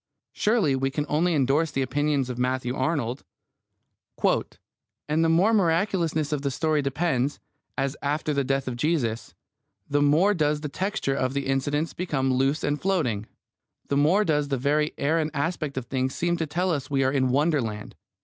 Surely we can only endorse the opinion of Matthew Arnold: And the more the miraculousness of the story deepens, as after the death of Jesus, the more does the texture of the incidents become loose and floating, the more does the very air and aspect of things seem to tell us we are in wonderland.